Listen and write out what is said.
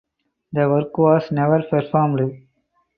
The work was never performed.